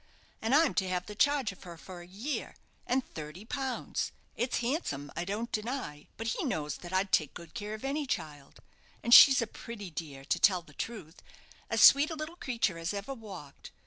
And I'm to have the charge of her for a year, and thirty pounds it's handsome, I don't deny, but he knows that I'd take good care of any child and she's a pretty dear, to tell the truth, as sweet a little creature as ever walked.